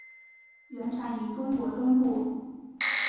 原产于中国中部。